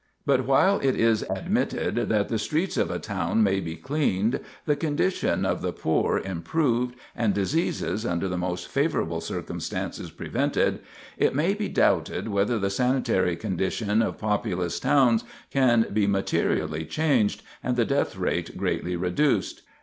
] But while it is admitted that the streets of a town may be cleaned, the condition of the poor improved, and diseases, under the most favorable circumstances, prevented, it may be doubted whether the sanitary condition of populous towns can be materially changed, and the death rate greatly reduced.